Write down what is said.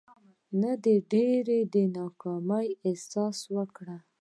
نه ډېر د ناکامي احساس وکړو.